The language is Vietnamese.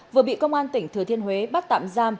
vừa bị công an tỉnh thừa thiên huế bắt tạm giam